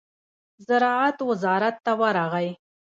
زراعت وزارت ته ورغی.